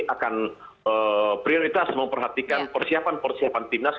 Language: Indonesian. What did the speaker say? akan prioritas memperhatikan persiapan persiapan timnas